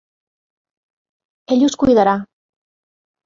Ell us cuidarà.